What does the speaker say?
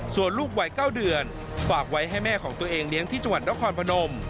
ส่วนลูกวัย๙เดือนฝากไว้ให้แม่ของตัวเองเลี้ยงที่จังหวัดนครพนม